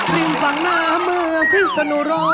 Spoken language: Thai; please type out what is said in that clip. กลิ่งฝั่งหน้าเมืองพิชุโนโลก